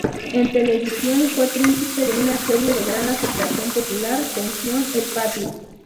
En televisión fue partícipe de una serie de gran aceptación popular, Pensión el Patio.